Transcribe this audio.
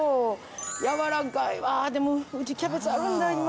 やわらかいでもうちキャベツあるんだ今。